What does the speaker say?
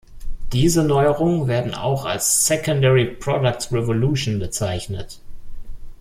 Diese Neuerungen werden auch als „Secondary products revolution“ bezeichnet.